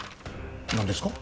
何ですか？